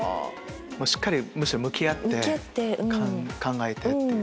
しっかりむしろ向き合って考えて。